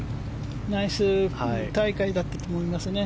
ナイス大会だったと思いますね。